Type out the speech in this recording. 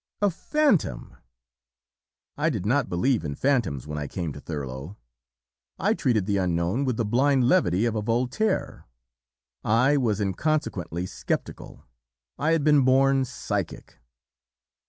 "A phantom! I did not believe in phantoms when I came to Thurlow; I treated the Unknown with the blind levity of a Voltaire; I was inconsequently sceptical; I had been born psychic.